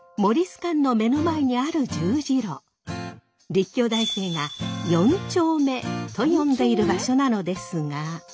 立教大生が「四丁目」と呼んでいる場所なのですが。